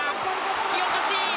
突き落とし！